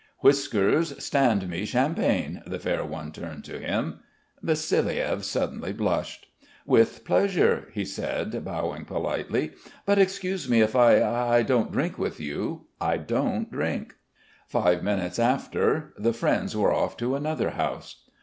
"Whiskers, stand me champagne." The fair one turned to him. Vassiliev suddenly blushed. "With pleasure," he said, bowing politely. "But excuse me if I ... I don't drink with you, I don't drink." Five minutes after the friends were off to another house.